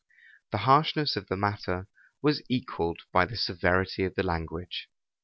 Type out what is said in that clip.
The harshness of the matter was equalled by the severity of the language.